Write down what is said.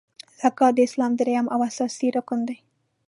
زکات د اسلام دریم او اساسې رکن دی .